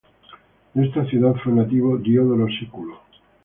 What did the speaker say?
De esta ciudad fue nativo Diodoro Sículo.